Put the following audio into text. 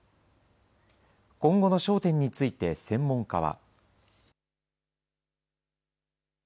今後の焦点について、専門家は。